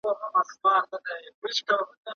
ولاړ لکــــــــــــــــه بتان سترګې ړندې شونډې ګنډلې